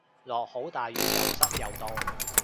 落好大雨又濕又凍